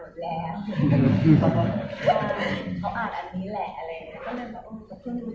ก็เลยอยากจับคู่นะคะว่าในทุกครอบครัวที่เขียนตัวแล้วก็กล้างร่วมไขมือแนน